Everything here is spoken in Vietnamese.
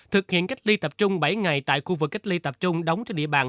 thực hiện cách ly tập trung bảy ngày tại khu vực cách ly tập trung đóng trên địa bàn